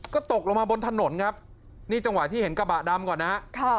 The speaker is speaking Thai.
ก็ตกลงมาบนถนนครับนี่จังหวะที่เห็นกระบะดำก่อนนะฮะ